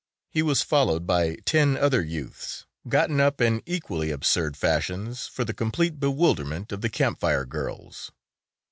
He was followed by ten other youths, gotten up in equally absurd fashions for the complete bewilderment of the Camp Fire girls.